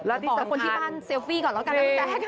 แล้วที่สำคัญขอบคุณที่บ้านเซลฟี่ก่อนแล้วกันนะแม่แม่แม่